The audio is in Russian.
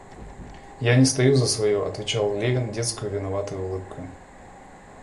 Я не стою за свое, — отвечал Левин с детскою, виноватою улыбкой.